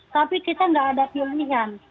tapi kita nggak ada pilihan